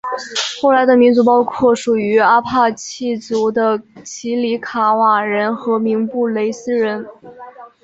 后来的民族包括属于阿帕契族的奇里卡瓦人和明布雷斯人。